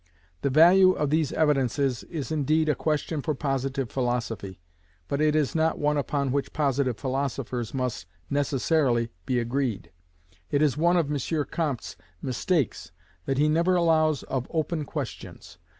The value of these evidences is indeed a question for Positive philosophy, but it is not one upon which Positive philosophers must necessarily be agreed. It is one of M. Comte's mistakes that he never allows of open questions.